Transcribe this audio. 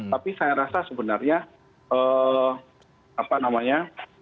tapi saya rasa sebenarnya apa namanya